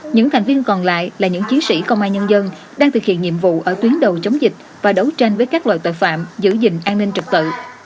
những thành viên còn lại là những chiến sĩ công an nhân dân đang thực hiện nhiệm vụ ở tuyến đầu chống dịch và đấu tranh với các loại tội phạm giữ gìn an ninh trực tự